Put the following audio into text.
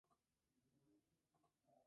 Permaneció fiel a su marido hasta el fin.